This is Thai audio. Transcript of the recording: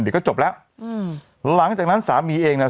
เดี๋ยวก็จบแล้วอืมหลังจากนั้นสามีเองเนี่ย